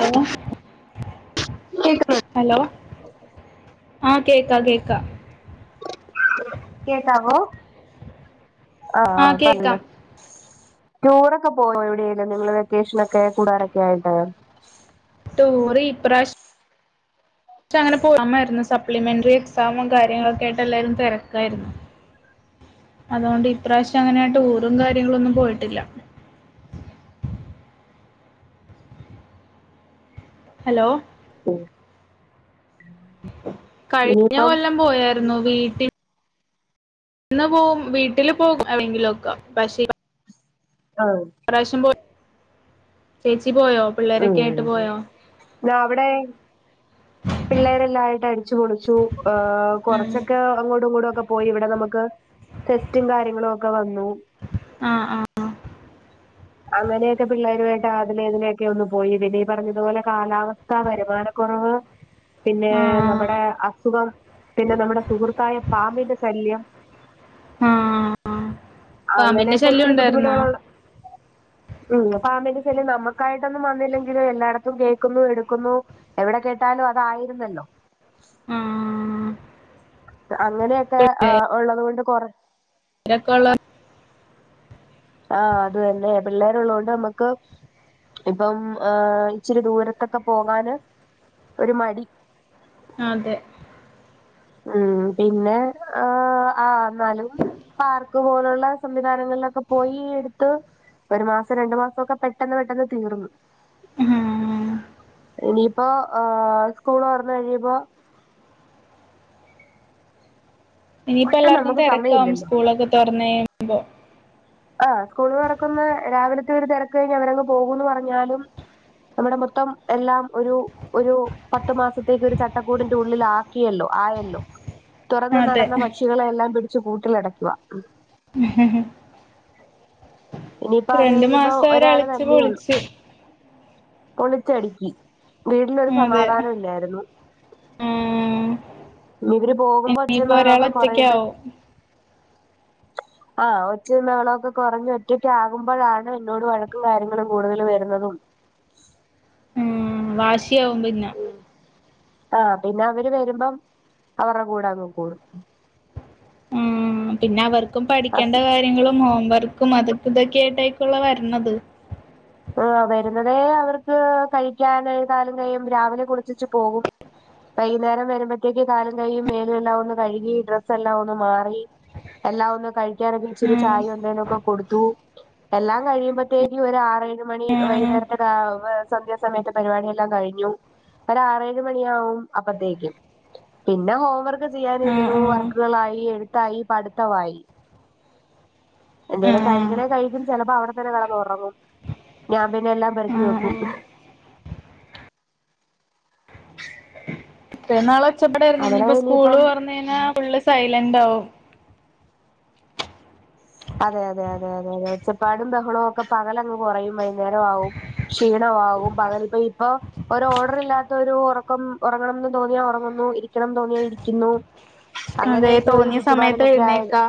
Hello കേക്ക്നൊ hello ആഹ് കേക്കാ കേക്കാ കേക്കാവോ ആ ആഹ് പറഞ് കേക്കാം ടൂറൊക്കെ പോണോ എവ്ടെയേലും നിങ്ങള് വെക്കേഷനൊക്കെ കൂടാനൊക്കെയായിട്ട് ട്ടൂറ് ഇപ്രാശം ഷേ അങ്ങനെ പോയി എക്സാംമാര്ന്നു സപ്ലിമെന്ററി എക്സാമും കാര്യങ്ങളൊക്കെ ആയിട്ട് എല്ലാരും തെരക്കാരുന്നു. അതുകൊണ്ട് ഇപ്രാശം അങ്ങനെ ട്ടുറും കാര്യങ്ങളും ഒന്നും പോയിട്ടില്ല. ഹലോ ഉം കഴിഞ്ഞ കൊല്ലം പോയാര്ന്നു വീട്ടി ഇന്ന് പോവും വീട്ടില് പോകും എവിടെങ്കിലൊക്കെ പക്ഷെ ആഹ് ഇപ്രാശം പോ ചേച്ചി പോയോ? പിള്ളേരൊക്കെ ആയിട്ട് പോയോ ഉം ങ്ങ അവ്ടെ പിള്ളേരെല്ലാആയിട്ട് അടിച്ചുപൊളിച്ചു. ഉം. കൊറച്ചൊക്കെ അങ്ങോട്ടും ഇങ്ങോട്ടും ഒക്കെ പോയി ഇവ്ടെ നമുക്ക് ടെസ്റ്റും കാര്യങ്ങളൊക്കെ വന്നു ആഹ് ആഹ് അങ്ങനെയൊക്കെ പിള്ളാരുവായിട്ട് അതിലേയിലൊക്കെ ഒന്ന് പോയി ഇവ്ടിഈ പറഞ്ഞതുപോലെ കാലാവസ്ഥ ക്കാ വര്മാനക്കൊറവ് പിന്നെ ആ നമ്മടെ അസുഖം പിന്നെ നമ്മടെ സുഹൃത്തായ പാമ്പിന്റെ ശല്യം ആ പാമ്പിന്റെ ആങ്ങനെക്കെ ശല്യം ഒത്തിരി ഉണ്ടായിരുന്നോ ബുദ്ധിമുട്ട്കളൊണ്ട് ഉം പാമ്പിന്റെ ശല്യം നമ്മക്കായിട്ടൊന്നും വന്നില്ലെങ്കിലും എല്ലായിടത്തും കേക്ക്ന്നു എട്ക്കുന്നു എവ്ടെ കേട്ടാലും അതായിരുന്നല്ലോ? ആ അങ്ങനെയൊക്കെ ആഹ് ഒള്ളത് കൊണ്ട് കൊറ തിരക്കൊള്ളേ ആഹ് അത് തന്നെ പിള്ളാരൊള്ളകൊണ്ട് നമ്മക്ക് ഇപ്പം ഏഹ് ഇച്ചിരി ദൂരത്തൊക്കെ പോകാന് ഒരു മടി അതെ ഉം പിന്നെ ആഹ് ആ എന്നാലും പാർക്ക് പോലുള്ള സംവിധാനങ്ങളിലൊക്കെ പോയി എടുത്ത് ഒരു മാസം രണ്ടു മാസൊക്കെ പെട്ടെന്ന് പെട്ടെന്ന് തീർന്നു ആഹ് ഇനിയിപ്പോ ആഹ സ്കൂള് തൊറന്ന് കഴിയുമ്പോ ഇനിയിപ്പോ ഒട്ടും എല്ലാർക്കും നമുക്ക് തിരക്കാവും സമയമില്ലല്ലോ സ്കൂളൊക്കെ തൊറന്ന് കഴിയുമ്പോ ആഹ് സ്കൂള് തൊറക്കുന്ന രാവിലത്തെ ഒര് തെരക്ക് കഴിഞ്ഞ് അവരങ്ങ് പോകുന്ന് പറഞ്ഞാലും അവിടെ മൊത്തം എല്ലാം ഒരു ഒരു പത്തു മാസത്തേക്ക് ഒരു ചട്ടക്കൂടിന്റെ ഉള്ളിൽ ആക്കിയല്ലോ ആയല്ലോ തുറന്നു അതെ നടന്ന പക്ഷികളെ എല്ലാം പിടിച്ച് കൂട്ടില് അടയ്ക്കുവാ ഹ് ഹ് ഇനിയിപ്പോ അത് രണ്ടു കഴിയുമ്പോ മാസം അവര് ഒരാള് അളിച്ചു തന്നെയൊള്ളു പൊളിച്ച് പൊളിച്ചടുക്കി വീടിനൊരു അതെ സമാധാനം ഇല്ലായിരുന്നു ആഹ് ഇവര് പോകുമ്പോ ഒച്ചയും ഇനിയിപ്പോ ഒരാൾ ബഹളമൊക്കെ കൊറയുമ്പഴ് ഒറ്റക്കാവും ആഹ് ഒച്ചയും ബഹളമൊക്കെ കൊറഞ്ഞ് ഒറ്റക്ക്‌ ആകുമ്പോഴാണ് എന്നോട് വഴക്കും കാര്യങ്ങളും കൂടുതല് വരുന്നതും ഉം വാശി ആവും പിന്നെ ആഹ് പിന്നെ അവര് വരുമ്പം അവരടെ കൂടെ അങ്ങ് കൂടും ഉം പിന്നെ അവർക്കും അസ് പഠിക്കേണ്ട കാര്യങ്ങളും ഹോംവർക്ക ക്കും അതും ഇതൊക്കെ ആയിട്ടായിക്കുല്ലോ വരണത് ഓ വരുന്നതേ അവർക്ക് കഴിക്കാന് കാലും കൈയും രാവിലെ കുളിചെച്ച് പോകും വൈകുന്നേരം വരുമ്പോഴത്തേക്ക് കാലും കയ്യും മേലും എല്ലാം ഒന്ന് കഴുകി ഡ്രസ്സ് എല്ലാം ഒന്ന് മാറി എല്ലാം ഒന്ന് കഴു കി ഇറങ്ങി ഇച്ചിരി ഉം ചായയോ എന്തേലും ഒക്കെ കൊടുത്തു എല്ലാം കഴിയുമ്പഴത്തേക്കും ഒര് ആറെഴ് മണി ആഹ് വൈകുന്നേരത്തെ സന്ധ്യസമയത്തെ പരിപാടിയെല്ലാം കഴിഞ്ഞു ഒര് ആറേഴ് മണിയാവും അപ്പത്തേക്കും പിന്നെ ഹോം വർക്ക് ചെയ്യാനിരുന്നു ആഹ് വർ ആഹ് ക്കുകളായി എഴുത്തായി പഠിത്തമായി എന്തേലും ആഹ് കഴിക്കണേ കഴിക്കും ചെലപ്പോ അവിടെത്തന്നെ കടന്ന് ഉറങ്ങും ഞാൻ പിന്നെ എല്ലാം പെറക്കി ആഹ് വെക്കും ആഹ് മറ്റേന്നാള് ഒച്ചപ്പടായിരുന്ന് അവിടെ ഇനിയിപ്പോ സ്കൂള് ഇനിയിപ്പം തൊറന്ന് കഴിഞ്ഞാൽ ഫുള് സൈലന്റ് ആകും അതെ അതെ അതെ അതെ അതെ ഉച്ചപ്പാടും ബഹളവും ഒക്കെ പകലങ്ങ് കുറയും വൈകുന്നേരം ആവും ക്ഷീണമാകും പകലിപ്പോ ഇപ്പോ ഒരു ഓർഡർ ഇല്ലാത്ത ഒരു ഉറക്കം ഉറങ്ങണമെന്ന് തോന്നിയാ ഉറങ്ങുന്നു ഇരിക്കണമെന്ന് തോന്നിയാ ഇരിക്കുന്നു അതെ അങ്ങനെയൊക്കെ ഒരു തോന്നിയ സമയത്ത് ചുറ്റുപാടിലൊക്കെ ആയത് എഴുന്നേക്കാ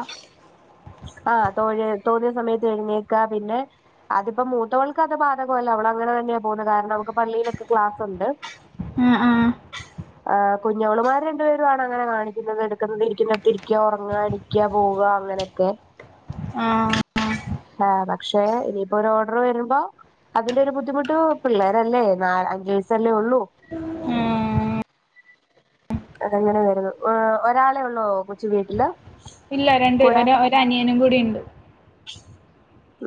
ആഹ് തോഴി തോന്നിയ സമയത്ത് എഴുന്നേക്ക പിന്നെ അതിപ്പോ മൂത്തവൾക്ക് അത് ബാധകമല്ലേ അവള് അങ്ങനെ തന്നെയാ പോന്നത് കാരണം അവക്ക് പള്ളിയിലൊക്കെ ക്ലാസ് ഉണ്ട് ആഹ് ആഹ് [inaudible] ആഹ് കുഞ്ഞോളുമാര് രണ്ട്‌ പേരും ആണ് അങ്ങനെ കാണിക്കുന്നത് എടുക്കുന്നത് ഇരിക്കുന്നിടുത്തിരിക്ക ഉറങ്ങുക എണ്ണിക്ക പോവുക അങ്ങനെ ആഹ് ആഹ് പക്ഷേ ഇനിയിപ്പോ ഒരു ഓർഡർ വരുമ്പോ അതിന്റെ ഒരു ബുദ്ധിമുട്ട് പിള്ളേരല്ലേ നാല് അഞ്ച് വയസല്ലേ ഉള്ളൂ ഉം അതെങ്ങനെ വരുന്നു ഒരാളെ ഉള്ളോ കൊച്ചു വീട്ടില് ഇല്ല രണ്ട് കൂടെ ഒര ഒരനിയനും കൂടി ഉണ്ട്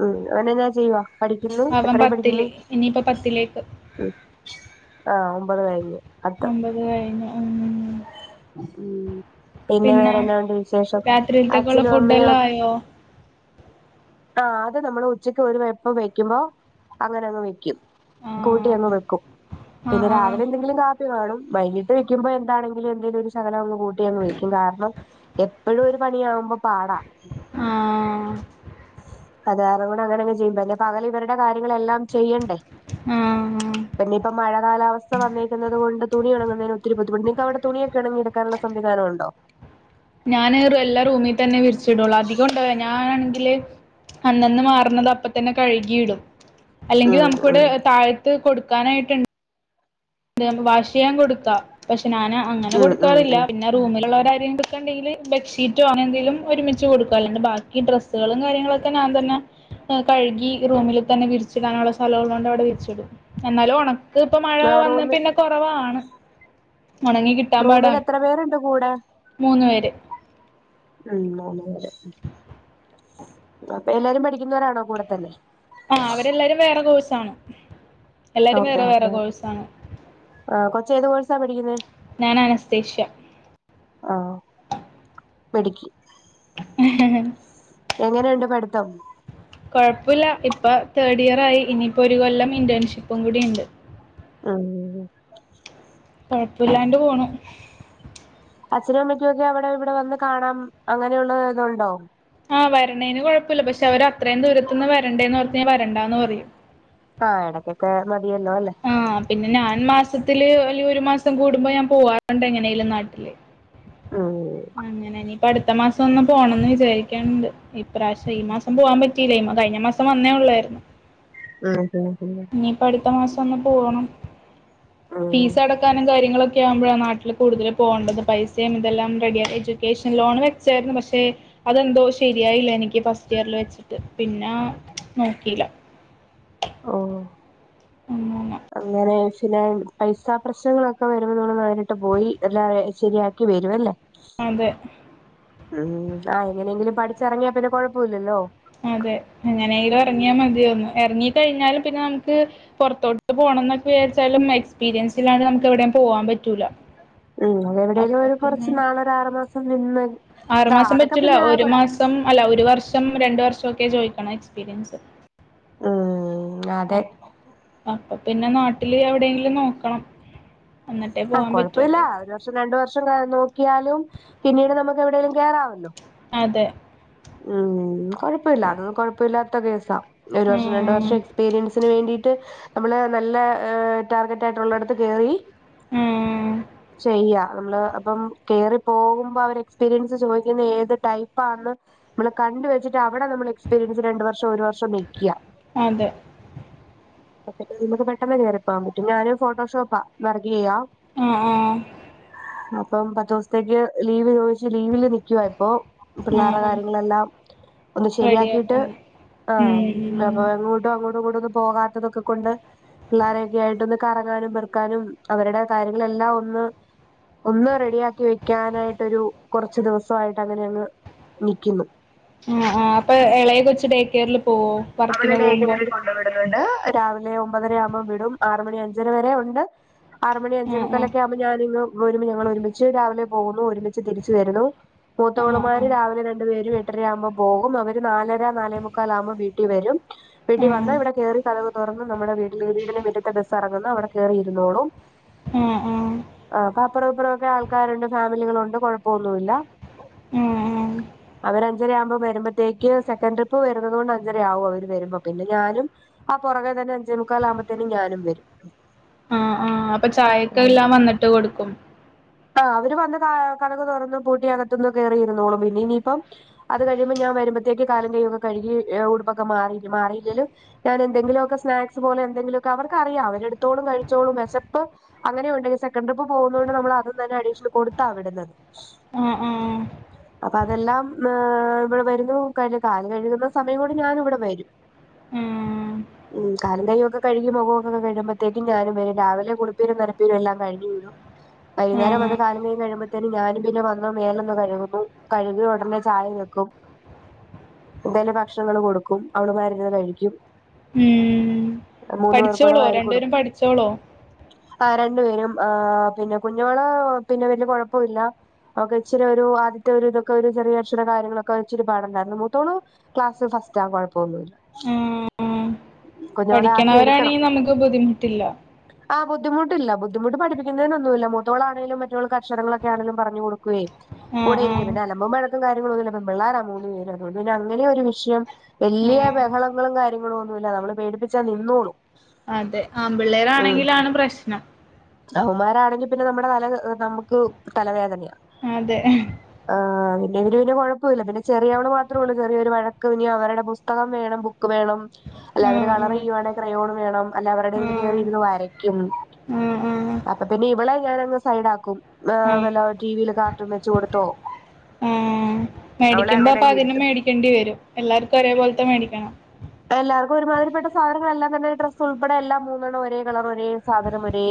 ഉം അവൻ എന്നാ ചെയ്യുവാ പഠിക്കുന്നു അവൻ എത്രയിൽ പഠിക്കുന്നു പത്തില് ഇനിയിപ്പോ പത്തിലേക്ക് ഉം ആഹ് ഒമ്പത് കഴിഞ്ഞു പത്ത് ഒമ്പത് കഴിഞ്ഞു ഉം ഉം പിന്നെ വേറെ എന്നായുണ്ട് വിശേഷം രാത്രിയിലത്തേക്കുള്ള അച്ഛനും ഫുഡ് അമ്മയോ എല്ലാം ആയോ ആഹ് അത് നമ്മള് ഉച്ചക്ക് ഒരു വെപ്പ് വെക്കുമ്പോ അങ്ങനെ അങ്ങ് വെക്കും ആ കൂട്ടി അങ്ങ് വെക്കും ആ പിന്നെ രാവിലെ എന്തെങ്കിലും കാപ്പി കാണും വൈകിട്ട് വെക്കുമ്പോ എന്താണങ്കിലും എന്തങ്കിലും സകലങ് കൂട്ടി അങ്ങ് വെക്കും കാരണം എപ്പഴും ഒരു പണിയാകുമ്പോ പാടാ ആ ആ അതെ അതുംകൂടെ അങ്ങനെങ്ങെ ചെയ്യുമ്പ പിന്നെ പകൽ ഇവരുടെ കാര്യങ്ങളെല്ലാം ചെയ്യണ്ടേ ആ പിന്നെ ഇപ്പ മഴ കാലാവസ്ഥ വന്നേരിക്കുന്നത് കൊണ്ട് തുണി ഉങ്ങുന്നതിന് ഒത്തിരി ബുദ്ധിമുട്ട നിങ്ങക്ക്ടെ തുണിയക്കെ ഇണങ്ങിട്ട് ക്കാനുള്ള സംവിധാനം ഉണ്ടോ ഞാൻ റ് എല്ലാ റൂമിൽ തന്നെ വിരിച്ചിടുള്ളൂ അധികം ഉണ്ട ഞാനാണെങ്കില് അന്നന്ന് മാറണത് അപ്പ തന്നെ കഴുകിയിടും അല്ലെങ്കിൽ ഉം നമുക്കിവിടെ ഉം താഴത്ത് കൊടുക്കാനായിട്ടുണ്ട് വാഷ് ചെയ്യാൻ കൊടുക്കാ പക്ഷെ ഞാൻ അങ്ങനെ ഉം ഉം കൊടുക്കാറില്ല ഉം പിൻ പിന്നെ റൂമിലുള്ളവര രെങ്കിലും കൊടുക്കണ്ടെങ്കില് ബെഡ്ഷീറ്റോ അങ്ങനെന്തെിലും ഒരുമിച്ച് കൊടുകും അല്ലാണ്ട് ബാക്കി ഡ്രസ് ഡ്രസ്സുകളും കാര്യങ്ങളുംക്കെ ഞാൻ തന്നെ കഴുകി റൂമിൽ തന്നെ വിരിച്ചിടാനുള്ള സ്ഥലള്ളോണ്ട് അവിടെ വിരിച്ചിടും എന്നാലും ഉണക്ക് ഇപ്പ മഴ വേറോം കൊറവാണ് ഓണങ്ങി കി റൂമിൽ എത്ര പേരുണ്ട് കൂടെ മൂന്ന് പേര് ഉം മൂന്നു പേര് അപ്പൊ എല്ലാരും പഠിക്കുന്നവരാണോ കൂടെത്തല്ലെ ആഹ് അവരെല്ലാരും വേറെ കോഴ്സ്ണ് ഓക്കെ ഓക്കേ ഏഹ് കൊച്ച ഏത് കോഴ്സാ പഠിക്കുന്നെ ഞാനാനസ്തഷ്യ ആഹ് മിടുക്കി ഉ എങ്ങനെയുണ്ട് പഠിത്തം കൊഴപ്പല്ല ഇപ്പ തേർഡ് ഇയറായി ഇനിയിപ്പോൾഒരു കൊല്ലം ഇൻറേൺഷിപ്പും കൂടി ഉണ്ട് ആഹ് കൊഴപ്പല്ലാണ്ട് പോണു അച്ഛനെ മ്മക്കോക്കെ അവിടെ ഇവിടെ വന്ന് കാണാൻ അങ്ങനെയുള്ള ഇതുണ്ടോ ആഹ് വരേണെന് കുഴപല്ല പക്ഷെ അവര് അത്രയും ദൂരത്ത നിന്ന് വരണ്ടേന്ന് ഓർത് ഞ വരണ്ടന്ന് പറയും ആഹ് ഇടയ്ക്കൊക്കെ മതിയല്ലോ അല്ലേ ആഹ് പിന്നെ ഞാൻ മാസത്തില്ൽ അല്ല ഒരു മാസം കൂടുമ്പോ ഞാൻ പോവാറുണ്ട് എങ്ങനെലും നാട്ടില് [unintelligible] ആഹ് അങ്ങനെ അങ്ങനെ ഇനിയിപ്പ അടുത്ത മാസം ഒന്ന് പോണംന്ന് വിചാരിക്കണ്ട് ഇപ്രാവശ്യ ഈ മാസം പോവാാൻ പറ്റില്ല കഴിഞ്ഞ മാസം വന്നേ ഉള്ളായിരുന്നു ആഹ് അതെ അതെ ഇനിയിപ്പ അടുത്ത മാസം ഒന്ന് പോകണം അഹ് ഫീസ് അടക്കാനും കാര്യങ്ങളൊക്കെ ആവുമ്പോഴ ആ നാട്ടിൽ കൂടുതൽ പോകേണ്ടത് പൈസയും ഇതൊംറെഡിയ എഡ്യൂക്കേഷൻ ലോൺ വെ ചേരുന്നു പക്ഷേ അതെന്തോ ശരിയായില്ല എനിക്ക് ഫസ്റ്റ് ഇയറിൽ വെച്ചിട്ട് പിന്നെ നോക്കില്ല ഓ അങ്ങനെ അങ്ങനെ ഫിന പൈസാ പ്രശ്നങ്ങളൊക്കെ വരുമ്പോ നമ്മ നേരിട്ട് പോയി എല്ല റെഡ് ശരിയാക്ക ക്കി വേരുവല്ലേ അതെ ഉം ആ എങ്ങനെങ്കിലും പഠിച്ചിറങ്ങിയാ പിന്നെ കൊഴപ്പവില്ലല്ലോ അതെ അങ്ങനെങ്കിലും ഇറങ്ങിയാൽ മതി തോന്നു ഇറങ്ങി കഴിഞ്ഞാലും പിന്നെ നമുക്ക് പുറത്തോട്ട് പോണംന്നക്കെ വിചാരിച്ചാലും എക്സ്പീരിയൻസിലണ്ട് നമുക്ക് എവിടെയും പോവാൻ പറ്റൂല ഉം എവിടെയലും അപ്പൊ ഒരു കുറച്ച് നാളൊരു ആറ് മാസം നിന്ന് ഇതാ ആറുമാസം അതൊക്കെ പറ്റില്ല പിന്നെ ഒരു മാസം അല്ല ഒരു വർഷം രണ്ട് വർഷം ഒക്കെ ചോയിക്ക്ണം എക്സ്പീരിയൻസ് ആഹ് ആഹ് അപ്പൊ പിന്നെ നാട്ടില് എവിടെയെങ്കിലും നോക്കണം എന്നിട്ടേ ആഹ് പോവാൻ കൊഴപ്പല്ല പറ്റുള്ളൂ ഒരു വർഷം രണ്ട വർഷം നോക്കിയാലും പിന്നീട് നമുക്ക് എവിടെേങ്കിലും കയറാാവല്ലോ അതെ ഉം കൊഴപ്പമില്ല അതൊന്നും കൊഴപ്പില്ലാത്ത കേസാ ഒരു വർഷം രണ്ട് ആഹ് വർഷം എക്സ്പീരിയൻസിന് വേണ്ടിയിട്ട് നമ്മള് നല്ല് ടാർഗറ്റായിട്ടുള്ളിടത്ത് കയറി ആഹ് ചെയ്യ നമ്മള് അപ്പം കേറി പോകുമ്പോ അവര് എക്സ്പീരിയൻസ് ചോയ്ക്കുന്ന ഏത് ടൈപ്പന്ന് നമ്മള് കണ്ട വെച്ചിട് അവിടെ നമ്മൾ എക്സ്പീരിയൻസ് രണ്ട വർഷം ഒരു വർഷം വെക്ക്യ അതെ നമുക്ക് പെട്ടെന്ന് കയറി പോവാൻ പറ്റും ഞാനൊരു ഫോട്ടോഷോപ്പാ വർഗ ചെയ്യാം ഏഹ് ഏഹ് അപ്പം പത്തു ദിവസത്തേക്ക് ലീവ് ചോദിച്ച് ലീവില് നിക്കുവാ ഇപ്പോ പിള്ളേർ ആഹ് ആഹ് കാര്യങ്ങളെല്ലാം ഒന്ന് ശരിയാക്കീട്ട് റെഡിയാക്കണം ഉം ആഹ് അങ്ങോട്ടും കൂട്ടൊന്നും പോകാത്തതൊക്കെ കൊണ്ട് പിള്ളരെയൊക്കെ ആയിട്ടൊന്ന് റങ്ങാനും വെറുക്കാനും അവരുടെ കാര്യങ്ങളെല്ലാം ഒന്ന് ഒന്ന് റെഡിയാക്കി വെക്കാനായിട്ടൊരു കുറച്ച് ദിവസയിട്ട് അങ്ങനെ അങ്ങ് നിക്കുന്നു ആഹ് ആഹ് അപ്പൊ ഇളയെ കൊച്ച് ഡേക്കയറിൽ പോവോ അവള വർക്കിന് ടെ പോകുമ്പോ കെയറിൽ കൊണ്ടു വിടുന്നുണ്ട് രാവിലെ ഒമ്പതര ആവുമ്പോം വിടും ആറുമണി അഞ്ചര വരെ ഉണ്ട് ആറുമണി അഞ്ച ആ ആ മുക്കാലൊക്കെ ആകുമ്പോ ഞാനി ഒരുമ ഞങ്ങൾ ഒരുമിച്ച് രാവിലെ പോകുന്നു ഒരുമിച്ച് തിരിച്ചു വരുന്നു ആ മൂത്തോളുമാര് രാവിലെ രണ്ടു പേരും എട്ടര ആവുമ്പോ പോകും അവര് നാലര നാലേ മുക്കാൽ ആകുമ്പോൾ വീട്ടിൽ വരും ആ ആ പിടി വന്നാ ഇവിടെ കേറി കഥവ് തുറന്ന് നമ്മുടെ വീട്ടില് വീടിനെ മിറ്റുത്തെ ബസ് ഇറങ്ങുന്ന് അവിടെ കയറിയിരുന്നോളൂ ഏഹ് ഏഹ് ആഹ് അപ്പൊറം ഇപ്പറൊക്കെ ആൾക്കാരുണ്ട് ഫാമിലികളുണ്ട് കുഴപ്പോന്നുല്ല അവരഞ്ചര ആവുമ്പോ വരുമ്പോത്തേക്ക് സെക്കൻഡ് ട്രിപ്പ് വരുന്നത് കൊണ്ട് അഞ്ചര ആവും അവര് വരുമ്പോ പിന്നെ ഞാനും ആ പുറകെ തന്നെ അഞ്ചേ മുക്കാലകുമ്പോത്തന്ന ഞാനും വരും ആഹ് ആഹ് അപ്പൊ ചായൊക്കെല്ലാം വന്നിട്ട് കൊടുക്കും ആ അവര് വന്ന് കതക് തുറന്നാ പൂട്ടി അകത്തൊന്ന് കേറിയിരുന്നൊളും പിന്നെ ഇനിയിപ്പം അത് കഴിയുമ്പോ ഞാ വരുമ്പത്തേക്ക് കാലും കയ്യോക്കെ കഴുകി ഉടുപ്പൊക്ക മായി മാറിയില്ലലും ഞാൻ എന്തെങ്കിലുക്കെ സ്നാക്സ് പോലെ എന്തെിലുമൊക്കെ അവർക്ക് അറിയാം അവരടുത്തോളും കഴിച്ചോളും വിശപ്പ് അങ്ങനെ ഉണ്ടെൽ സെക്കൻഡ ട്രിപ്പ് പോകുന്ന കൊണ്ട് നമ്മളതും തന്നെ അഡിഷൻ കൊടുത്താ വിടുന്നത് ആഹ് അപ്പൊ അതെല്ലാം ഹ് ഇവിടെ വരുന്നു കഴിഞ്ഞ് കാല് കഴുകുന്നു സമയം കൊണ്ട് ഞാനിവിടെ വരും ആ ഉം കാലും കയ്യോക്കെ കഴുകി മുഖക്കെ കഴിയുമ്പഴത്തേക്കും ഞാനും വരും രാവിലെ കുളിപ്പേരും നരപ്പേരും എല്ലാം കഴിഞ്ഞ് വിടും വൈക്ന്നേരം ആ വന്ന് കാലും കയ്യും കഴുകുമ്പത്തേനും ഞാനും പിന്നെ വന്ന് മേലൊന്ന് കഴുകും കഴുകിയൊടനെ ചായ വെക്കും എന്തേലും ഭക്ഷണങ്ങള് കൊടുക്കും അവള്മാര്ര്ന്ന് കഴിക്കും ഉം മൂന്ന് പേർക്കൂടെ പഠിച്ചോളോ രണ്ടുപേരും പഠിച്ചോളോ? ആഹ് രണ്ടു പേരും ആ പിന്നെ കുഞ്ഞോള് പിന്നെ വല്ല്യ കൊഴപ്പവില്ല ഒക്കെ ഇച്ചിരിയൊരു ആദ്യത്തെയൊരു ഇതൊക്കെയൊരു ചെറിയ അക്ഷര കാര്യങ്ങളൊക്കെച്ചിരി പാടുണ്ടായിരുന്നു മൂത്തോളു ക്ലാസ് ഫസ്റ്റാ കൊഴപ്പൊന്നുല്ല എടുക്കണം പഠിക്കണോരാണെങ്കി നമുക്ക് ബുദ്ധിമുട്ടില്ല ആഹ് ബുദ്ധിമുട്ടില്ല ബുദ്ധിമുട്ട് പടിപ്പിക്കുന്നതിനൊന്നുമില്ല മൂത്തോളാണേലും മറ്റോൾക്ക് അക്ഷരങ്ങളൊക്കെയാണേലും പറഞ് കൊടുക്കേ ആ ആ കൂടെയിരിക്കും പിന്ന അലമ്പും, വഴഴക്കും കാര്യങ്ങളൊന്നുല്ല പെം പിള്ളാര മൂന്ന് പേരും അതോണ്ട് പിന്നങ്ങ നെയൊരു വിഷയം ആ വല്ല്യ ബഹളങ്ങളും കാര്യങ്ങളൊന്നുവില്ല നമ്മള് പേടിപ്പിച്ചാ നിന്നോളും അതെ ഉം ആമ്പിള്ളേരാണെങ്കിലാണ് പ്രശ്നം അവന്മാരാണെങ്കി പിന്നെ നമ്മുടെ തല നമുക്ക് തലവേദനയാ അതെ ആ പിന്നെയിവര് പിന്നെ കൊഴപ്പമില്ല പിന്നെ ചെറിയവള് മാത്രൊള്ളു ചെറിയൊരു വഴക്ക് ഇനിയവരുടെ പുസ്തകം വേണം ബുക്ക് വേണം അല്ല ആ അവര് ആ കളറെയ്യുവാണെ ക്രയോൺ വേണം അല്ല അവരുടെതില് ആ കേറിയിരുന്ന് വരയ്ക്കും ആഹ് ആഹ് അപ്പൊതന്നെ ഇവളെ ഞാനങ് സൈഡാക്കും ഏഹ് ആഹ് വല്ല ടിവിയില് കാർട്ടൂൺ വെച്ച് കൊടുത്തോ ആഹ് അവളെ മേടിക്കുമ്പോ അങ്ങനെ അപ്പതിനും അങ്ങിരുത്തും മേടിക്കേണ്ടി വരും എല്ലാർക്കും ഒരേപോലത്തെ മേടിക്കണം എല്ലാർക്കും ഒരുമാതിരിപ്പെട്ട സാധനങ്ങളെല്ലാം തന്നെ ഡ്രസ്സ് ഉൾപ്പെടെയെല്ലാം മൂന്നണ്ണം ഒരേ കളറ് ഒരേ സാധനം ഒരേ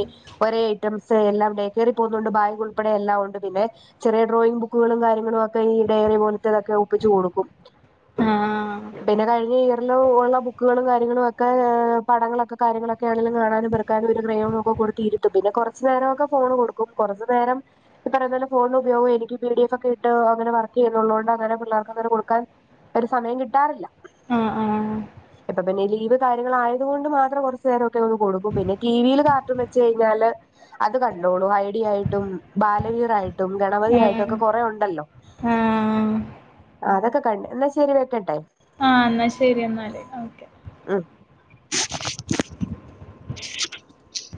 ഒരേ ഐറ്റംസെല്ലാം ഡേകയറി പോകുന്നുണ്ട് ബാഗുൾപ്പെടെയെല്ലാവുണ്ട് പിന്നെ ചെറിയ ഡ്രോയിങ് ബുക്കുകളും കാര്യങ്ങളുവൊക്കെ ഈ ഡയറി പോലത്തെതൊക്കെ ഒപ്പിച്ച് കൊടുക്കും ആഹ് പിന്നെ കഴിഞയ്ഞ ന്ന് ഒള്ള ബുക്കുകളും കാര്യങ്ങളുവൊക്കെ പടങ്ങളൊക്കെ കാര്യങ്ങളൊക്കെണെങ്കിലും കാണാനും പെറക്കാനും ഒരു ക്രയോണൊക്കെ കൊടുത്തിരുത്തും പിന്നെ കുറച്ചു നേരമൊക്കെ ഫോണ് കൊടുക്കും കുറച്ചു നേരം ഈ പറയന്നപോലെ ഫോണില് ഉപയോഗവും എനിക്ക് പി ഡി എഫൊക്കെയിട്ട് അങ്ങനെ വർക്കെയ്യുന്നുള്ളോണ്ട് അങ്ങനെ പിള്ളേർക്കങ്ങനെ കൊടുക്കാൻ ഒരു സമയം കിട്ടാറില്ല ആഹ് ആഹ് ഇപ്പൊ പിന്നെ ലീവ് കാര്യങ്ങളെക്കെ ആയത് കൊണ്ട് മാത്രം കുറച്ചു നേരയൊക്കെയൊന്ന് കൊടുക്കും പിന്നെ ടിവിയിൽ കാർട്ടൂൺ വെച്ച് കഴിഞ്ഞാല് അത് കണ്ടോളും ഐഡിയായിട്ടും, ബാലവീറായിട്ടും, ഗണപതിയായിട്ടും, ഇതൊക്കെ കൊറെയുണ്ടല്ലോ ആഹ് ആ അതൊക്കെ കണ്ട് ഇന്നാ ശരി വെക്കട്ടെ? ആഹ് ഇന്നാ ശരിയെന്നാല് ഓക്കേ ഉം [inaudible]